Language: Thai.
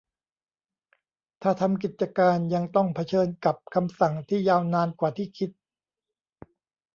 ถ้าทำกิจการยังต้องเผชิญกับคำสั่งที่ยาวนานกว่าที่คิด